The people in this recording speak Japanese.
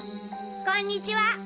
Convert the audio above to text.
こんにちは。